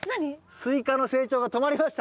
スイカの成長が止まりました。